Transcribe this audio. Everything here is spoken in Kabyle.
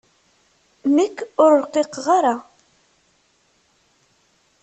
Nekk ur rqiqeɣ ara.